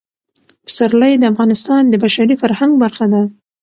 پسرلی د افغانستان د بشري فرهنګ برخه ده.